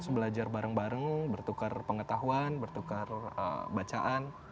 belajar bareng bareng bertukar pengetahuan bertukar bacaan